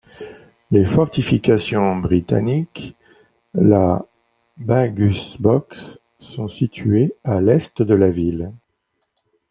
Les fortifications britanniques, la Baggush Box, sont situées à l'est de la ville.